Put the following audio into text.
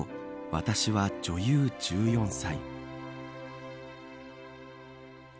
私は女優１４歳。